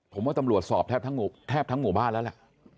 ผมว่าตำรวจสอบแทบทั้งหมู่บ้านแล้วล่ะ